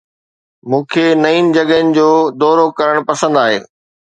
مون کي نئين جڳهن جو دورو ڪرڻ پسند آهي